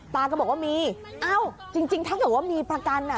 ตาก็บอกว่ามีเอ้าจริงถ้าเกิดว่ามีประกันอ่ะ